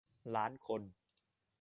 ล้านคน